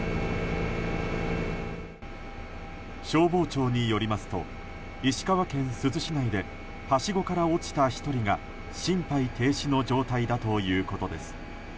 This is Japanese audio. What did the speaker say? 消防庁によりますと石川県珠洲市内ではしごから落ちた１人が心肺停止の状態だということです。